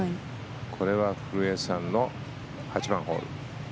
これは古江さんの８番ホール。